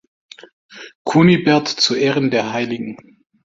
Kunibert“ zu Ehren der hl.